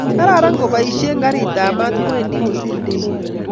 Kararan koboishe karit ab mat kowendi kosir ndekeit